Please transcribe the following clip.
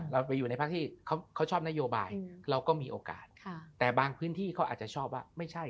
เราไปอยู่ในพักที่เขาชอบนโยบายเราก็มีโอกาสแต่บางพื้นที่เขาอาจจะชอบว่าไม่ใช่